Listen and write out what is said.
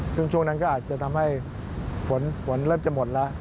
ช่วงนั้นอาจจะทำให้ฝนเริ่มจะหมด